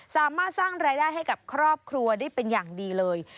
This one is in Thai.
สามารถสร้างรายได้ให้กับครอบครัวได้เป็นอย่างดีเลย